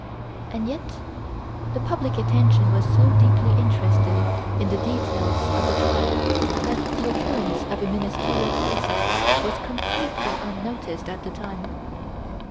And yet the public attention was so deeply interested in the details of the trial that the occurrence of a ministerial crisis was completely unnoticed at the time.